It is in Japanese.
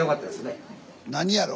何やろ？